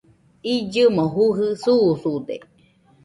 illɨmo jujɨ susude